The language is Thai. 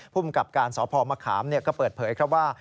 ผู้มีกับการสอบพอมะขามก็เปิดเผยว่า